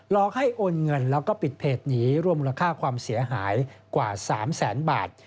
อกให้โอนเงินแล้วก็ปิดเพจหนีรวมมูลค่าความเสียหายกว่า๓แสนบาท